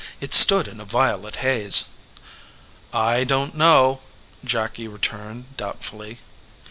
It stood in a violet haze. "I don t know," Jacky returned, doubtfully.